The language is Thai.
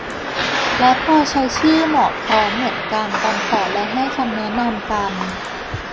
และพอใช้ชื่อ หมอพร้อม เหมือนกัน ตอนขอและให้คำแนะนำกัน